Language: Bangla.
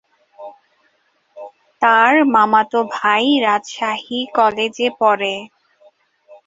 তার মামাতো ভাই রাজশাহী কলেজে পড়ে।